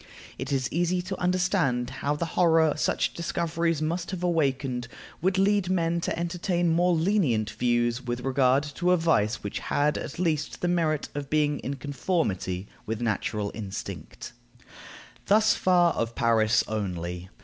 It is easy to understand how the horror such discoveries must have awakened would lead men to entertain more lenient views with regard to a vice which had at least the merit of being in conformity with natural instinct. Thus far of Paris only.